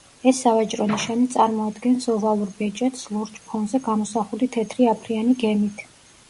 ეს სავაჭრო ნიშანი წარმოადგენს ოვალურ ბეჭედს, ლურჯ ფონზე გამოსახული თეთრი აფრიანი გემით.